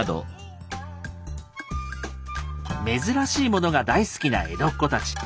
珍しいものが大好きな江戸っ子たち。